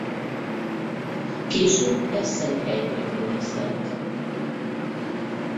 Később esseni helytörténész lett.